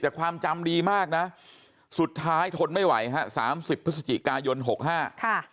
แต่ความจำดีมากนะสุดท้ายทนไม่ไหวฮะสามสิบพฤศจิกายนหกห้าค่ะ